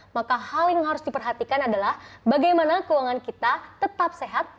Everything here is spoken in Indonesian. maka hal yang harus diperhatikan adalah bagaimana keuangan kita tetap sehat